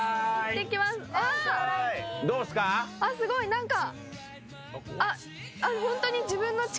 あっ、すごい、何か。